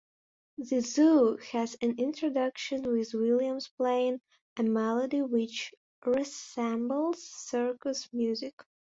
"The Zoo" has an introduction with Williams playing a melody which resembles circus music.